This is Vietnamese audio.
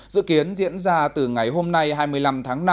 dự kiến diễn ra từ ngày hôm nay hai mươi năm tháng năm